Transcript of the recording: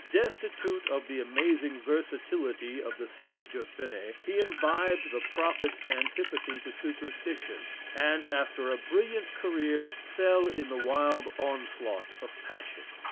Destitute of the amazing versatility of the sage of Ferney, he imbibed the prophet's antipathy to superstition, and after a brilliant career, fell in the wild onslaught of passion.